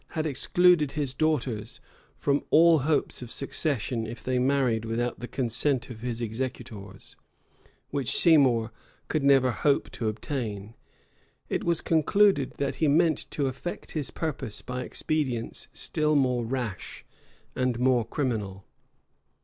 had excluded his daughters from all hopes of succession if they married without the consent of his executors, which Seymour could never hope to obtain, it was concluded that he meant to effect his purpose by expedients still more rash and more criminal.